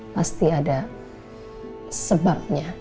pasti ada sebabnya